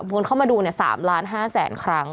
คนเข้ามาดู๓ล้าน๕แสนครั้ง